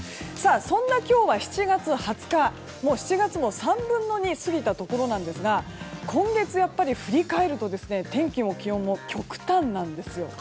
そんな今日は７月２０日７月も３分の２過ぎましたが今月やっぱり振り返ると天気も気温も極端なんですよ。